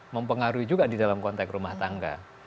mempengaruhi juga di dalam konteks rumah tangga